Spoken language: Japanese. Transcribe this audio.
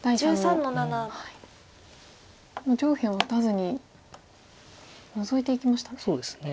もう上辺は打たずにノゾいていきましたね。